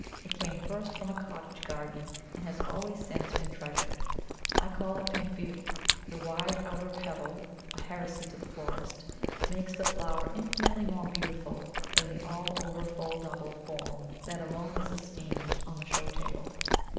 It came first from a cottage garden, and has always since been treasured. I call it Pink Beauty. The wide outer petal (a heresy to the florist) makes the flower infinitely more beautiful than the all over full double form that alone is esteemed on the show table.